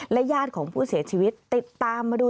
ญาติของผู้เสียชีวิตติดตามมาดู